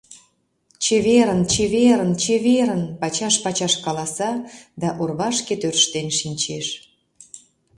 «Чеверын, чеверын, чеверын!» — пачаш-пачаш каласа да орвашке тӧрштен шинчеш.